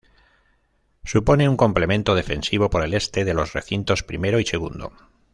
Supone un complemento defensivo por el Este de los recintos primero y segundo.